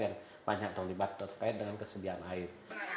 atau yang terlibat dengan kesediaan air